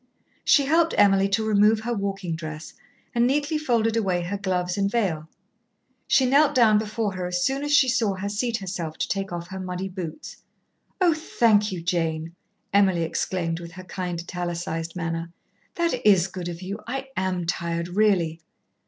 She helped Emily to remove her walking dress, and neatly folded away her gloves and veil. She knelt down before her as soon as she saw her seat herself to take off her muddy boots. "Oh, thank you, Jane," Emily exclaimed, with her kind italicised manner. "That is good of you. I am tired, really.